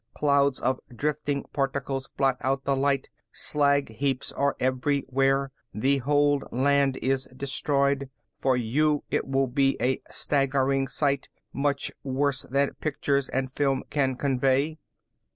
Clouds of drifting particles blot out the light, slag heaps are everywhere, the whole land is destroyed. For you it will be a staggering sight, much worse than pictures and film can convey."